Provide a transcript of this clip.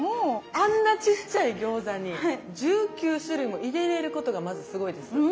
あんなちっちゃい餃子に１９種類も入れれることがまずすごいです。